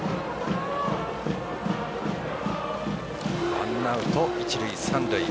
ワンアウト、一塁三塁。